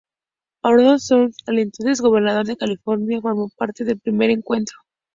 Arnold Schwarzenegger, el entonces gobernador de California, formó parte del primer encuentro.